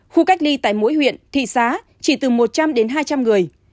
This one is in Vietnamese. khu cách ly tại mỗi huyện thị xã chỉ từ một trăm linh đến hai trăm linh người